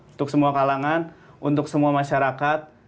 untuk semua kalangan untuk semua masyarakat